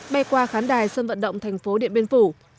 bay qua khán đài sân vận động thành phố điện biên phủ